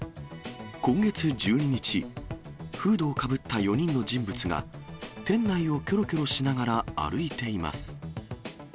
今月１２日、フードをかぶった４人の人物が、店内をきょろきょろしながら歩いています。